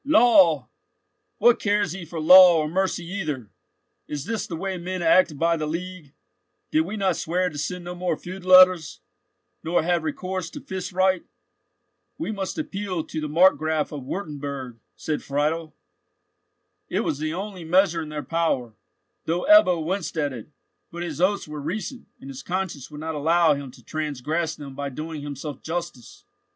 "Law?—what cares he for law or mercy either? Is this the way men act by the League? Did we not swear to send no more feud letters, nor have recourse to fist right?" "We must appeal to the Markgraf of Wurtemburg," said Friedel. It was the only measure in their power, though Ebbo winced at it; but his oaths were recent, and his conscience would not allow him to transgress them by doing himself justice.